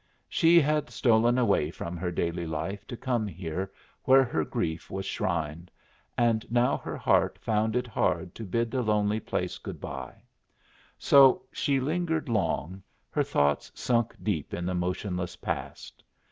She had stolen away from her daily life to come here where her grief was shrined, and now her heart found it hard to bid the lonely place goodbye. So she lingered long, her thoughts sunk deep in the motionless past.